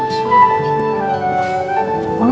tolong classmates kamu jadi komen